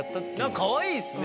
かわいいですね。